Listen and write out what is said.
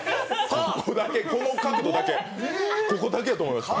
ここだけ、この角度だけここだけやと思いました。